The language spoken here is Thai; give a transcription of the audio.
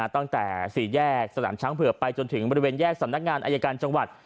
ตั้งแต่สี่แยกสนามช้างเผื่อไปจนถึงบริเวณแยกสำนักงานอายการจังหวัด